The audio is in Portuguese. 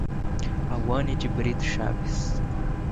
Auane de Brito Chaves